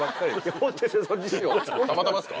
たまたまですか？